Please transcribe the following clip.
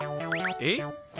えっ？